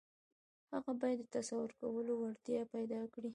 هغه بايد د تصور کولو وړتيا پيدا کړي.